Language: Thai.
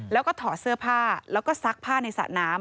แล้วก็ถอดเสื้อผ้าแล้วก็ซักผ้าในสระน้ำ